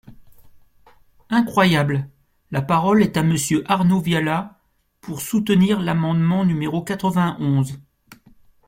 Incroyable ! La parole est à Monsieur Arnaud Viala, pour soutenir l’amendement numéro quatre-vingt-onze.